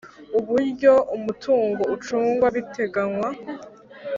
Uburyo umutungo ucungwa biteganywa